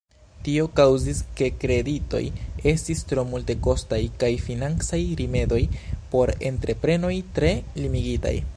Tio kaŭzis, ke kreditoj estis tro multekostaj kaj financaj rimedoj por entreprenoj tre limigitaj.